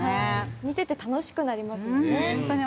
見ていて楽しくなりますよね。